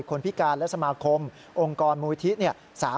คนพิการและสมาคมองค์กรมูลวิธี